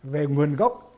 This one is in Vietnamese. về nguồn gốc